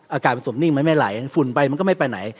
อากาศมันสมนิ่งมันไม่ไหลฝุ่นไปมันก็ไม่ไปไหน